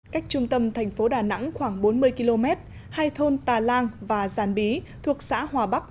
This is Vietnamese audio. cách trung tâm thành phố đà nẵng khoảng bốn mươi km hai thôn tà lan và giàn bí thuộc xã hòa bắc